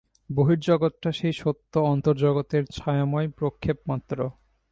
বহির্জগৎটা সেই সত্য অন্তর্জগতের ছায়াময় প্রক্ষেপমাত্র।